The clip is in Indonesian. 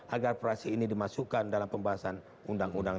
agar prase ini dimasukkan dalam pembahasan